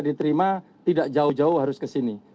diterima tidak jauh jauh harus ke sini